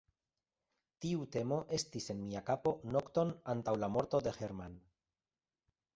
Tiu temo estis en mia kapo nokton antaŭ la morto de Hermann.